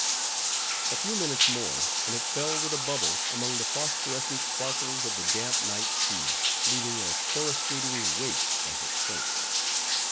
A few minutes more, and it fell with a bubble among the phosphorescent sparkles of the damp night sea, leaving a coruscating wake as it sank.